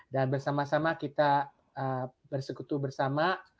dan bersama sama kita bersekutu bersama